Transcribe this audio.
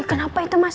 eh kenapa itu masa